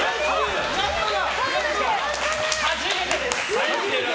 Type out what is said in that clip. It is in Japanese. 初めてです！